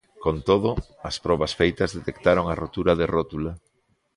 Con todo, as probas feitas detectaron a rotura de rótula.